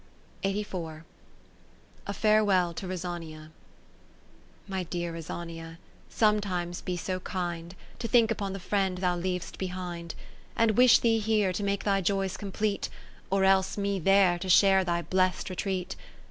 30 A Farewell to Rosania My dear Rosania, sometimes be so kind. To think upon the friend thou leav'st behind, And wish thee here, to make thy joys complete. Or else me there, to share thy blest retreat.